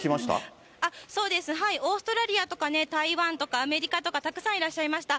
そうです、オーストラリアとか台湾とかアメリカとか、たくさんいらっしゃいました。